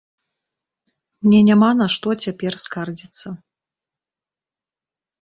Мне няма на што цяпер скардзіцца.